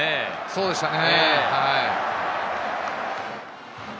そうでしたね。